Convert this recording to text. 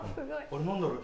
何だろう？